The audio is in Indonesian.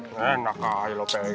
nggak kaya lu pegang